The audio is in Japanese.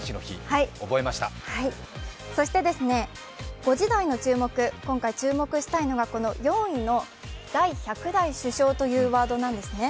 そして、５時台の今回注目したいのは４位の第１００代首相というワードなんですね。